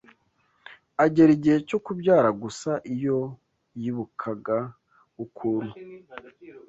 agera igihe cyo kubyara gusa iyo yibukaga ukuntu